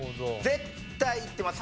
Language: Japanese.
絶対いってます。